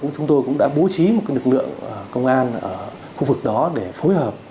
chúng tôi cũng đã bố trí một lực lượng công an ở khu vực đó để phối hợp